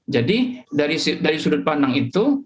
dari sudut pandang itu